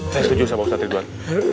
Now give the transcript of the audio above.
saya setuju sama ustadz ridwan